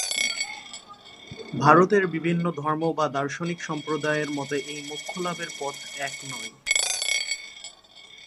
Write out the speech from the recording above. ভারতের বিভিন্ন ধর্ম বা দার্শনিক সম্প্রদায়ের মতো এই মোক্ষলাভের পথ এক নয়।